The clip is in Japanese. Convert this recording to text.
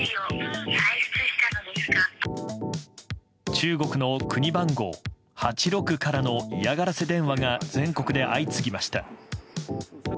中国の国番号、８６からの嫌がらせ電話が全国で相次ぎました。